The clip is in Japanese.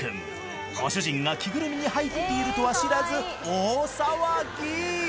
ご主人が着ぐるみに入っているとは知らず大騒ぎ！